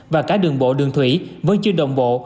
và cả đường bộ đường thủy vẫn chưa đồng bộ